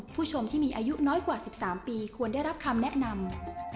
ผู้ชมที่มีอายุน้อยกว่า๑๓ปีควรได้รับคำแนะนำ